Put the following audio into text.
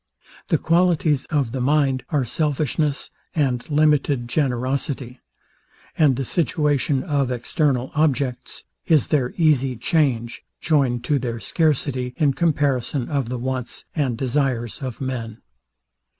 The qualities of the mind are selfishness and limited generosity: And the situation of external objects is their easy change, joined to their scarcity in comparison of the wants and desires of men.